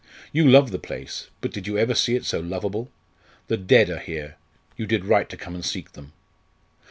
"You love the place; but did you ever see it so lovable? The dead are here; you did right to come and seek them!